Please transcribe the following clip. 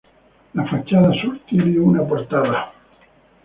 La fachada sur tiene una portada.